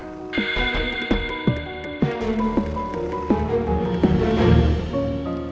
ibu yang tenang ya